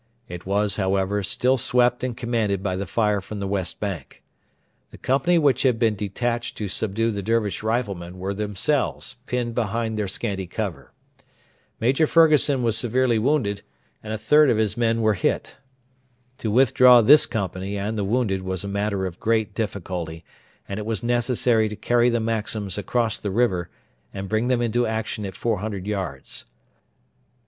It was, however, still swept and commanded by the fire from the west bank. The company which had been detached to subdue the Dervish riflemen were themselves pinned behind their scanty cover. Major Fergusson was severely wounded and a third of his men were hit. To withdraw this company and the wounded was a matter of great difficulty; and it was necessary to carry the Maxims across the river and bring them into action at 400 yards.